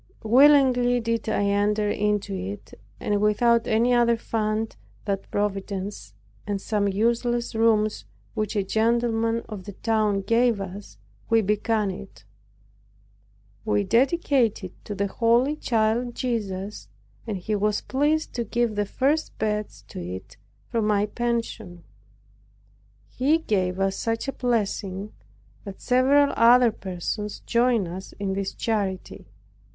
Willingly did I enter into it; and without any other fund than Providence and some useless rooms which a gentleman of the town gave us, we began it. We dedicated it to the holy Child Jesus, and He was pleased to give the first beds to it from my pension. He gave such a blessing that several other persons joined us in this charity.